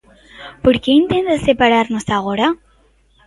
¿Por que intentan separarnos agora?